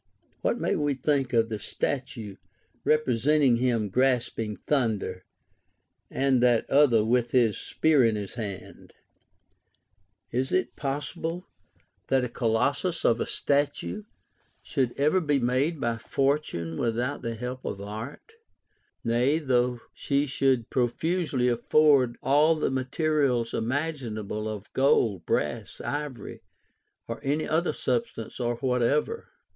What may we think of the statue representing him grasping thunder, and that other with his spear in his hand] Is it possible that a Colossus of a statue should ever be made by Fortune Avithout the help of art ; nay, though she should profusely afford all the materials im aginable of gold, brass, ivory, or any other substance what ever?